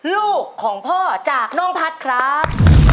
ลูกของพ่อจากน้องพัฒน์ครับ